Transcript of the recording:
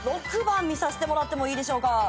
６番見させてもらってもいいでしょうか？